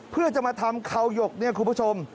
เพื่อจะมาทำเขายกเนี่ยคุณผู้ชม